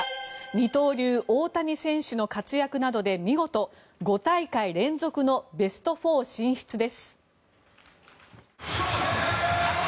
二刀流・大谷選手の活躍などで見事、５大会連続のベスト４進出です。